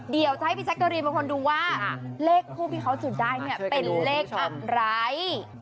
เดี๋ยวจะให้พี่แจ๊กกะรีนเป็นคนดูว่าเลขทูบที่เขาจุดได้เนี่ยเป็นเลขอะไร